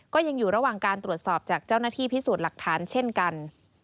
ก็ยังอยู่ระหว่างการตรวจสอบจากเจ้าหน้าที่พิสูจน์หลักฐานเช่นกัน